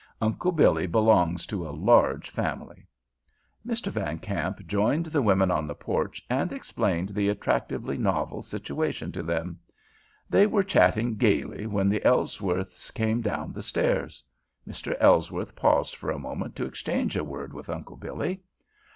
Uncle Billy belongs to a large family. Mr. Van Kamp joined the women on the porch, and explained the attractively novel situation to them. They were chatting gaily when the Ellsworths came down the stairs. Mr. Ellsworth paused for a moment to exchange a word with Uncle Billy.